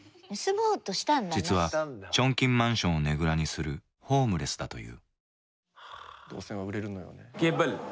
実はチョンキンマンションをねぐらにするホームレスだという。